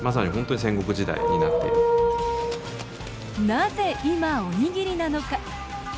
なぜ今、おにぎりなのか。